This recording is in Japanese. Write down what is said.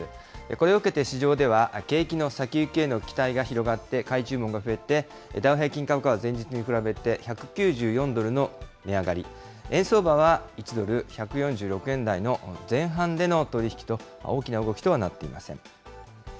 これを受けて市場では、景気の先行きへの期待が広がって、買い注文が増えて、ダウ平均株価は前日に比べて１９４ドルの値上がり、円相場は１ドル１４６円台の前半での取り引きと、大きな動きとはなっていません。